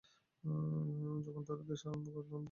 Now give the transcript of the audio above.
তখন তারা দেশে দম্ভ করত, কিন্তু তারা আমার শাস্তি এড়াতে পারেনি।